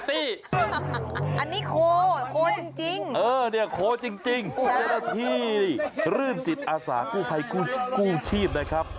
อันนี้โคโคจริงเออเนี่ยโคจริงเจ้าหน้าที่รื่นจิตอาสากู้ภัยกู้ชีพนะครับ